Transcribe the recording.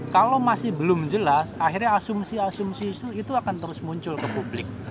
kalau masih belum jelas akhirnya asumsi asumsi itu akan terus muncul ke publik